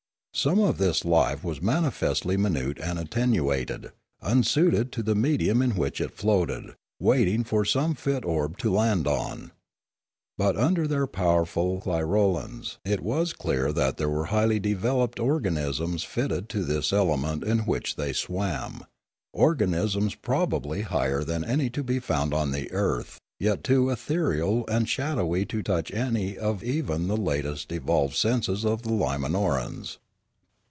Some of this life was manifestly minute and attenuated, unsuited to the medium in which it floated, waiting for some fit orb to land on. But under their powerful clirolans it was as clear that there were highly developed organisms fitted to this element in which they swam, organisms prob ably higher than any to be found on the earth, yet too ethereal and shadowy to touch any of even the latest evolved senses of the Limanorans.